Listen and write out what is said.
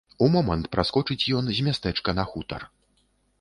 У момант праскочыць ён з мястэчка на хутар.